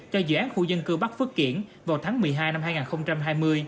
cho dự án khu dân cư bắc phước kiển vào tháng một mươi hai năm hai nghìn hai mươi